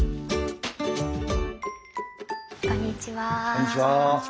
こんにちは。